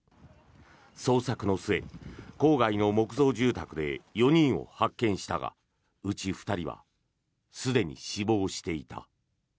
捜索の末、郊外の木造住宅で４人を発見したがうち２人はすでに死亡していた。